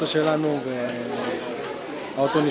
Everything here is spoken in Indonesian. pembalas menuju ke arah kereta kami